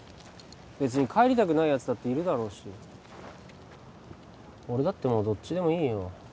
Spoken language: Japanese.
別に帰りたくないやつだっているだろうし俺だってもうどっちでもいいよ